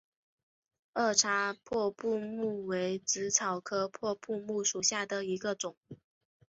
二叉破布木为紫草科破布木属下的一个种。